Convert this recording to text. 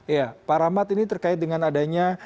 ya pak rahmat ini terkait dengan adanya